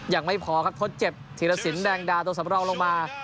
ยังไม่พอครับทดเจ็บธีรสินแดงดาตัวสำรองลงมา